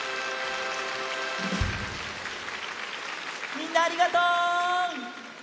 みんなありがとう！